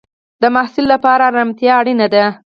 د محصل لپاره ارامتیا اړینه ده.